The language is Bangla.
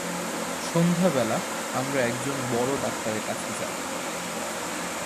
সন্ধ্যাবেলা আমরা একজন বড় ডাক্তারের কাছে যাব।